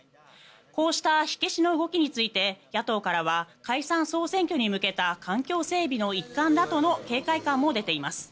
こうした火消しの動きについて野党からは解散・総選挙に向けた環境整備の一環だとの警戒感も出ています。